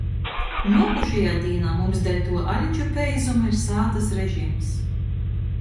Nuokušajā dīnā mums deļ tuo aliču peizuma ir sātys režims.